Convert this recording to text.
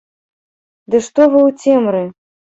Ды што вы ў цемры?